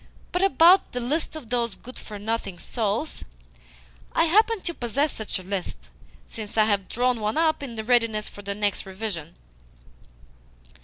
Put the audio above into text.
But about the list of those good for nothing souls I happen to possess such a list, since I have drawn one up in readiness for the next revision."